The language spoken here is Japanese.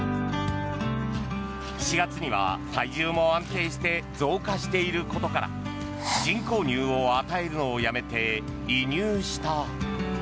４月には体重も安定して増加していることから人工乳を与えるのをやめて離乳した。